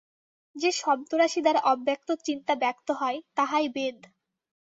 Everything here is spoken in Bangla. যে শব্দরাশি দ্বারা অব্যক্ত চিন্তা ব্যক্ত হয়, তাহাই বেদ।